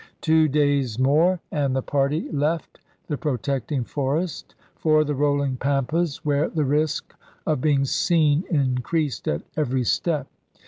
Two days more and the party left the protecting forest for the rolHng pampas where the risk of being seen increased at every step.